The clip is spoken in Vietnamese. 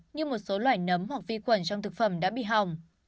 như một số loài nấm hoặc vi quẩn trong thực phẩm đã bị hỏng